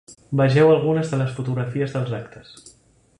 Vegeu algunes de les fotografies dels actes.